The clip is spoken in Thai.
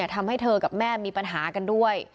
ทำให้เธอกับแม่มีปัญหากันด้วย